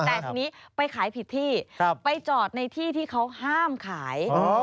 แต่ทีนี้ไปขายผิดที่ไปจอดในที่ที่เขาห้ามขาย